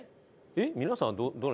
えっ皆さんどれ。